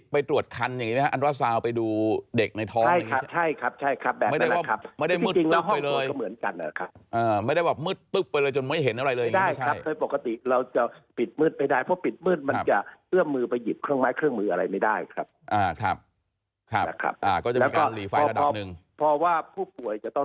ไปตรวจคันอย่างงี้ไหมครับอัลเตอร์สาวน์ไปดูเด็กในท้อง